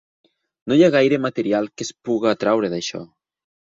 No hi ha gaire material que es pugui treure d'això.